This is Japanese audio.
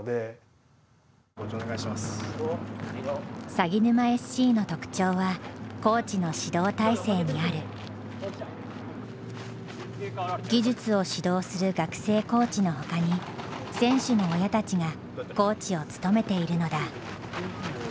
さぎぬまＳＣの特徴は技術を指導する学生コーチのほかに選手の親たちがコーチを務めているのだ。